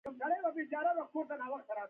کېله د اضطراب ضد خاصیت لري.